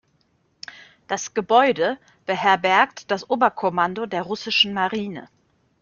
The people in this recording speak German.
Das Gebäude beherbergt das Oberkommando der Russischen Marine.